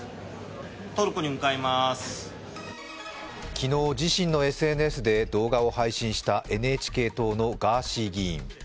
昨日、自身のＳＮＳで動画を配信したＮＨＫ党のガーシー議員。